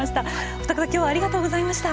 お二方きょうはありがとうございました。